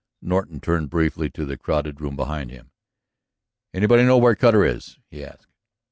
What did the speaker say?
Norton turned briefly to the crowded room behind him. "Anybody know where Cutter is?" he asked.